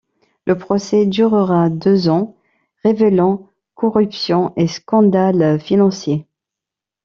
Le procès durera deux ans, révélant corruption et scandales financiers.